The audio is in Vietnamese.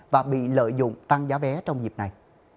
và bị lợi dụng tăng giá vé trong dịp này